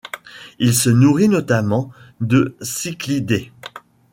Il se nourrit notamment de cichlidés.